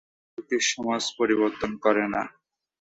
নতুন প্রযুক্তি সমাজ পরিবর্তন করে না।